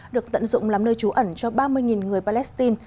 được tận dụng làm nơi trú ẩn cho ba mươi người palestine